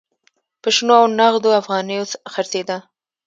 په شنو او نغدو افغانیو خرڅېده.